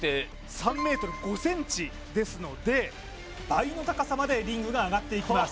３ｍ５ｃｍですので倍の高さまでリングが上がっていきます